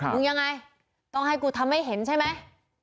มึงยังไงต้องให้กูทำให้เห็นใช่ไหม